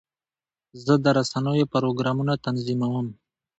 زه د رسنیو پروګرامونه تنظیموم.